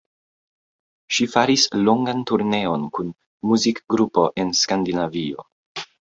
Ŝi faris longan turneon kun muzikgrupo en Skandinavio.